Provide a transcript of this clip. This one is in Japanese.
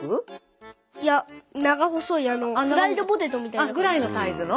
いや長細いフライドポテトみたいな。ぐらいのサイズの？